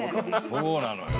そうなのよ。